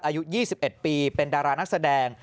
อายุ๒๑ปีเป็นดารานักแสดง